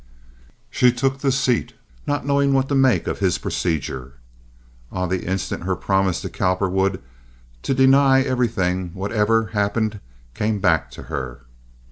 She took the seat, not knowing what to make of his procedure. On the instant her promise to Cowperwood to deny everything, whatever happened, came back to her.